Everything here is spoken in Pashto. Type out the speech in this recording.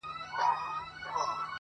پر لویو غرو د خدای نظر دی!!